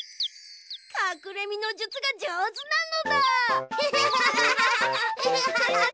かくれみのじゅつがじょうずなのだ。